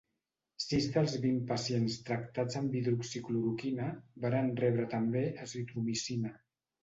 Sis dels vint pacients tractats amb hidroxicloroquina varen rebre també azitromicina.